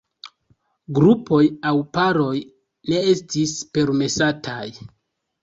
Grupoj aŭ paroj ne estis permesataj.